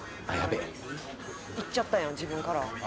いっちゃったやん自分から。